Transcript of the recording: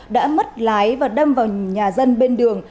đã mất lái và đâm vào nhà dân bên đường